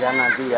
jangan nanti ya